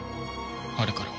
あれから。